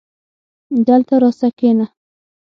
دلته راسه کينه